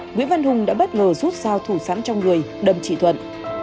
nguyễn văn hùng đã bất ngờ rút sao thủ sẵn trong người đâm chị thuận